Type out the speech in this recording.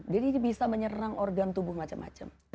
jadi bisa menyerang organ tubuh macam macam